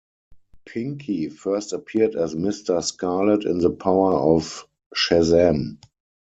Pinky first appeared as Mr. Scarlet in The Power of Shazam!